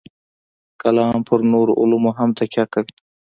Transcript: کلام پر نورو علومو هم تکیه کوي.